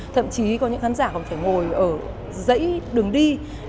thậm chí có những khán giả còn phải ngồi ở dãy đường đi